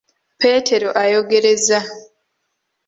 Peetero ayogereza.